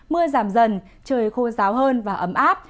mưa giảm dần trời khô ráo hơn và ấm áp